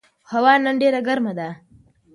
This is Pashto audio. هوا نن ډېره ګرمه ده.